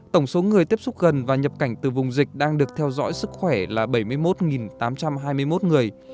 tổng số người tiếp xúc gần và nhập cảnh từ vùng dịch đang được theo dõi sức khỏe là bảy mươi một tám trăm hai mươi một người